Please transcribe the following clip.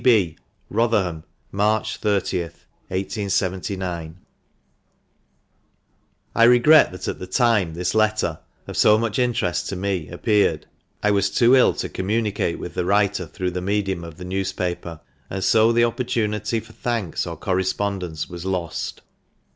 "C. B. "Rotherham, March 30th, 1879." I regret that at the time this letter of so much interest to me— appeared, I was too ill to communicate with the writer through the medium of the newspaper, and so the opportunity for thanks or correspondence was lost.